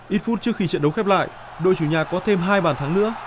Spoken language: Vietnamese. ít phút trước khi trận đấu khép lại đội chủ nhà có thêm hai bàn thắng nữa